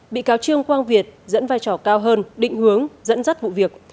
bị cáo trương quang việt dẫn vai trò cao hơn định hướng dẫn dắt vụ việc